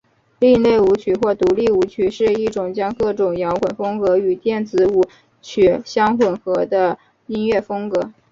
另类舞曲或独立舞曲是一种将各种摇滚风格与电子舞曲相混合的音乐风格。